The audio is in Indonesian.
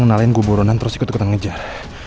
ngenalin gue boronan terus ikut ikut engejar